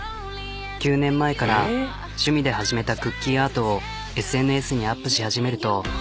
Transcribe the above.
９年前から趣味で始めたクッキーアートをＳＮＳにアップし始めるとたちまち話題に。